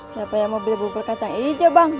siapa yang mau beli bubur kacang aja bang